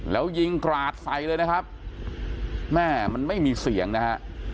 แล้วยิงกราดใส่เลยนะครับแม่มันไม่มีเสียงนะฮะ